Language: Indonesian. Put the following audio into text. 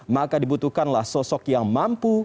maka dibutuhkanlah sosok yang mampu